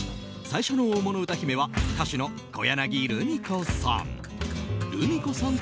最初の大物歌姫は歌手の小柳ルミ子さん。